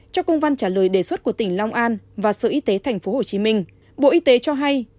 trong công văn trả lời đề xuất của tỉnh long an và sở y tế tp hcm bộ y tế cho hay